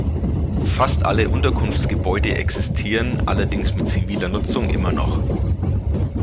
Fast alle Unterkunftsgebäude existieren allerdings mit ziviler Nutzung immer noch.